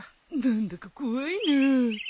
何だか怖いな。